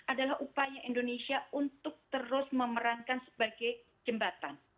adalah upaya indonesia untuk terus memerankan sebagai jembatan